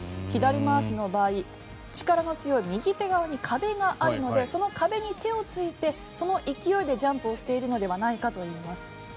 左回しの場合力の強い右手側に壁があるのでその壁に手をついてその勢いでジャンプをしているのではないかといいます。